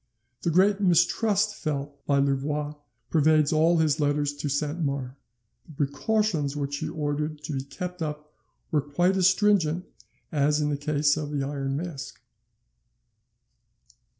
The great mistrust felt by Louvois pervades all his letters to Saint Mars. The precautions which he ordered to be kept up were quite as stringent as in the case of the Iron Mask.